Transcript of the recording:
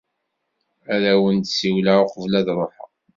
Ad awen-d-siwleɣ uqbel ad ruḥeɣ.